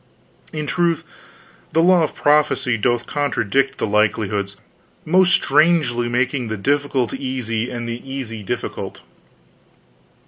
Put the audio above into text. In truth, the law of prophecy doth contradict the likelihoods, most strangely making the difficult easy, and the easy difficult."